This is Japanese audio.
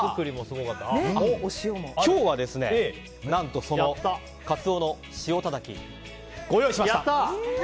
今日は、何とそのカツオの塩たたきをご用意しました。